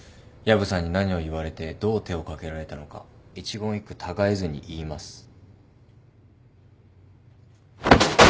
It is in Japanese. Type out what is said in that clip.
薮さんに何を言われてどう手をかけられたのか一言一句たがえずに言います。